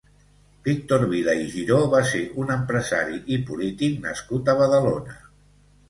Víctor Vila i Giró va ser un empresari i polític nascut a Badalona.